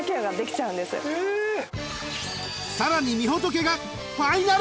［さらにみほとけが］